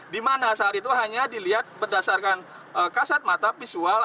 dimana saat itu hanya dilihat berdasarkan kasat mata visual